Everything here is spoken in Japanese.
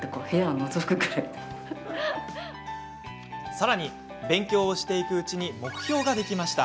さらに、勉強をしていくうちに目標ができました。